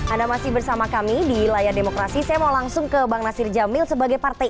anda masih bersama kami di layar demokrasi saya mau langsung ke bang nasir jamil sebagai partai